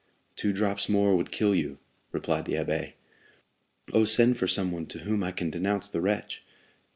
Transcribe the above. "Two drops more would kill you," replied the abbé. "Oh, send for someone to whom I can denounce the wretch!"